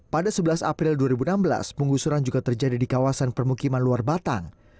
pada sebelas april dua ribu enam belas penggusuran juga terjadi di kawasan permukiman luar batang